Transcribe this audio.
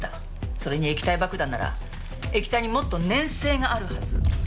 それに液体爆弾なら液体にもっと粘性があるはず。